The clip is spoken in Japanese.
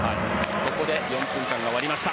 ここで４分間が終わりました。